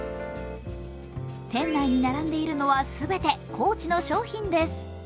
店内に並んでいるのは全てＣＯＡＣＨの商品です。